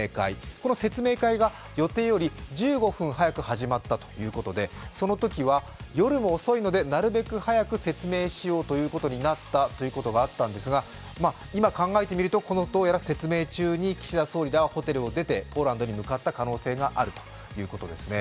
この説明会が予定より１５分早く始まったということでその時は、夜も遅いのでなるべく早く説明しようということになったということがあったですが、今、考えてみると、この説明中に岸田総理がホテルを出てポーランドに向かった可能性があるということですね。